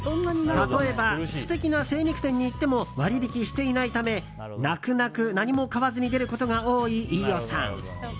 例えば素敵な精肉店に行っても割引していないため泣く泣く、何も買わずに出ることが多い飯尾さん。